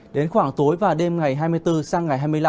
đến khoảng tối và đêm ngày hai mươi bốn sang ngày hai mươi năm